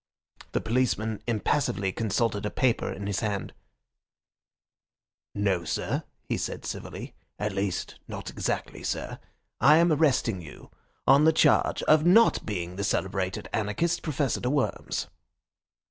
The policeman impassively consulted a paper in his hand, 'No, sir,' he said civilly, 'at least, not exactly, sir. I am arresting you on the charge of not being the celebrated anarchist, Professor de Worms.